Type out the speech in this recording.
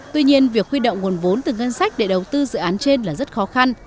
tuy nhiên việc huy động nguồn vốn từ ngân sách để đầu tư dự án trên là rất khó khăn